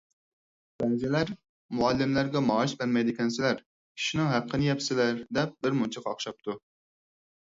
بەزىلەر: «مۇئەللىملەرگە مائاش بەرمەيدىكەنسىلەر، كىشىنىڭ ھەققىنى يەپسىلەر» دەپ بىرمۇنچە قاقشاپتۇ.